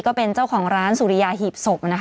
ก็เป็นเจ้าของร้านสุริยาหีบศพนะคะ